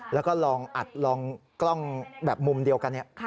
แล้วก็ลองอัดลองกล้องแบบมุมเดียวกัน